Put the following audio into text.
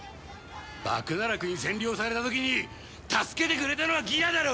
バグナラクに占領された時に助けてくれたのはギラだろ！